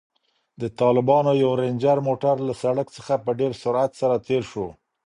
د طالبانو یو رنجر موټر له سړک څخه په ډېر سرعت سره تېر شو.